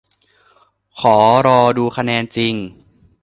ขอรอดูคะแนนจริง